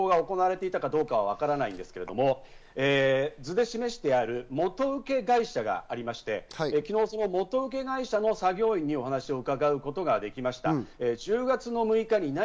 １０月６日の日に暴行は行れていたかわからないんですが、図で示してある元請け会社がありまして、その元請会社の作業員にお話を伺うことができました。